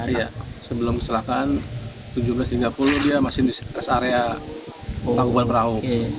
iya sebelum kecelakaan tujuh belas tiga puluh dia masih di rest area tangkuban perahu